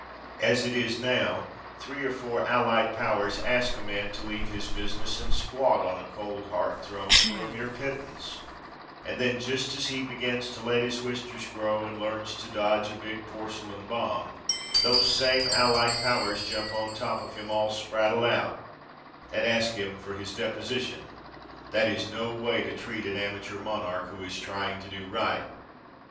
As it is now, three or four allied powers ask a man to leave his business and squat on a cold, hard throne for a mere pittance, and then just as he begins to let his whiskers grow and learns to dodge a big porcelain bomb those same allied powers jump on top of him all spraddled out and ask him for his deposition. That is no way to treat an amateur monarch who is trying to do right.